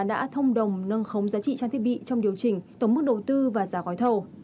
đã thông đồng nâng khống giá trị trang thiết bị trong điều chỉnh tổng mức đầu tư và giá gói thầu